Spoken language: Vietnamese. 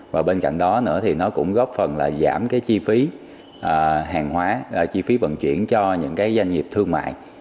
và bên cạnh đó nữa thì nó cũng góp phần là giảm cái chi phí hàng hóa chi phí vận chuyển cho những cái doanh nghiệp thương mại